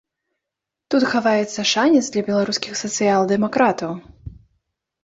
Тут хаваецца шанец для беларускіх сацыял-дэмакратаў.